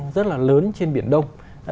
rất là lớn trên biển đông